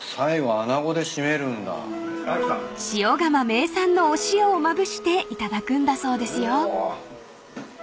［塩竈名産のお塩をまぶして頂くんだそうですよ］